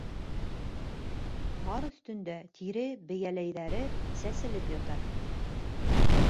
Ҡар өҫтөндә тире бейәләйҙәре сәселеп ята.